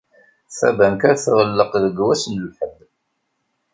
Tabanka tɣelleq deg wass n lḥedd.